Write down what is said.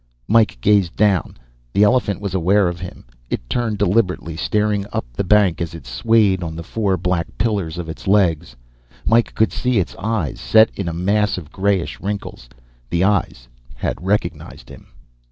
Mike gazed down. The elephant was aware of him. It turned deliberately, staring up the bank as it swayed on the four black pillars of its legs. Mike could see its eyes, set in a mass of grayish wrinkles. The eyes had recognized him.